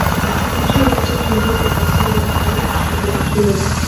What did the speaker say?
vituo vichache Hilo ni jambo linalohitaji kushughulikiwa